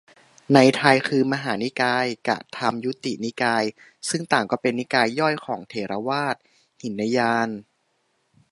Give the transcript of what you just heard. ในไทย คือ มหานิกาย กะ ธรรมยุตินิกาย ซึ่งต่างก็เป็นนิกายย่อยของ เถรวาท หินยาน